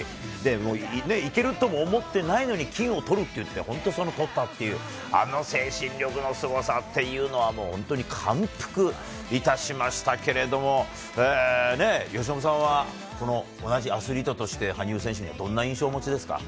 もういけるとも思ってないのに、金をとるって言って、本当にそのとったっていう、あの精神力のすごさっていうのは、もう本当に感服いたしましたけれども、ねえ、由伸さんはこの同じアスリートとして、羽生選手にはどんな印象をお持ちですか？